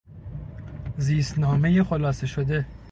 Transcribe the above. زیستنامهی خلاصه شده